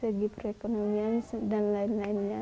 segi perekonomian dan lain lainnya